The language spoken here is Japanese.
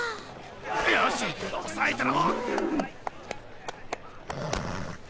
よし押さえてろ。